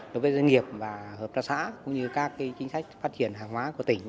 đối với doanh nghiệp và hợp tác xã cũng như các chính sách phát triển hàng hóa của tỉnh